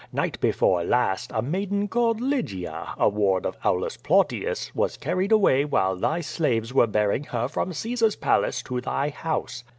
Night before last, a maiden called Lygia, a ward of Aulus Plautius, was carried away while thy slaves were bearing her from Caesar's palace to thy house.